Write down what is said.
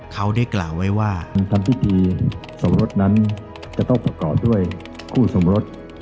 เขาได้กล่าวไว้ว่าทำพิธีสมรสนั้นจะต้องประกอบด้วยคู่สมรส